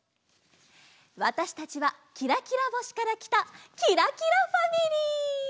わたしたちはキラキラぼしからきたキラキラファミリー。